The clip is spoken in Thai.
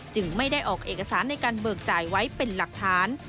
จึงไม่ได้ออกเอกสารในการเบิกจ่ายไว้เป็นหลักฐาน